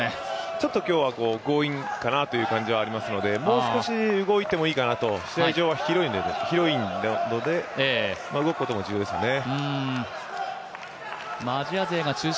ちょっと今日は強引かなという感じがありますので、もう少し動いてもいいのかなと、試合場は広いので動くことも重要ですね。